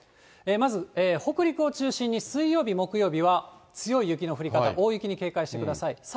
まず、北陸を中心に水曜日、木曜日は強い雪の降り方、大雪に警戒してください。